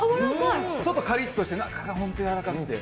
ちょっとカリッとして中が本当にやわらかくて。